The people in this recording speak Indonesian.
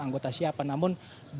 anggota siapa namun